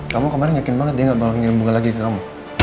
kamu kemarin yakin banget dia gak bakal nyambung buka lagi ke kamu